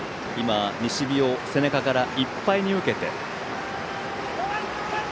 西日を背中からいっぱいに受けて。